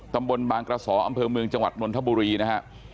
ตำบลบางกระสออำเภอเมืองจังหวัดนนทบุรีนะฮะ